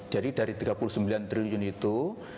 jadi dari tiga puluh sembilan triliun itu